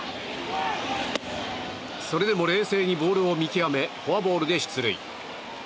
それでも冷静にボールを見極めフォアボールで出塁。